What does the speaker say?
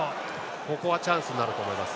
ここはチャンスになると思いますね。